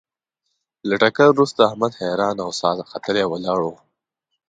له ټکر ورسته احمد حیران او ساه ختلی ولاړ و.